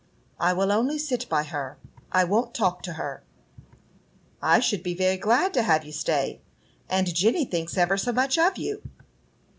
"I will only sit by her; I won't talk to her." "I should be very glad to have you stay; and Jenny thinks ever so much of you."